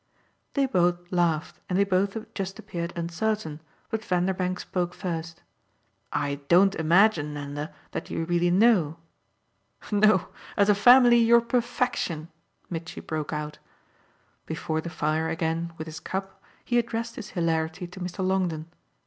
They both laughed and they both just appeared uncertain, but Vanderbank spoke first. "I don't imagine, Nanda, that you really know." "No as a family, you're perfection!" Mitchy broke out. Before the fire again, with his cup, he addressed his hilarity to Mr. Longdon.